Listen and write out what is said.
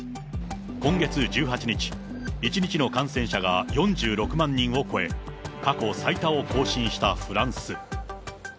今月１８日、１日の感染者が４６万人を超え、過去最多を更新したフランス。